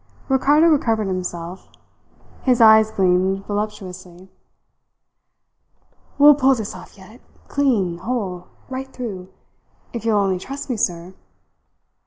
Ricardo recovered himself. His eyes gleamed voluptuously. "We'll pull this off yet clean whole right through, if you will only trust me, sir."